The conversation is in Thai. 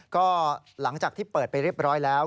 ก็หลังจากที่เปิดไปเรียบร้อยแล้ว